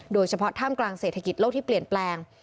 ท่ามกลางเศรษฐกิจโลกที่เปลี่ยนแปลง